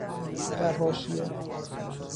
در حاشیه